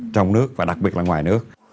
trong nước và đặc biệt là ngoài nước